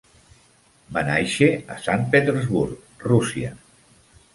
Va nàixer a Sant Petersburg, Rússia.